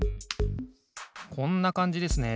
こんなかんじですね。